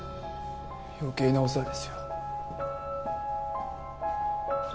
余計なお世話ですよ。